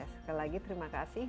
sekali lagi terima kasih